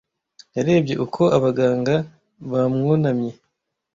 Yarebye uko abaganga bamwunamye.